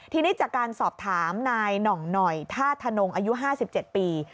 ทีนี้จากการสอบถามนายหน่องหน่อยธาตุธนงอายุ๕๗ปี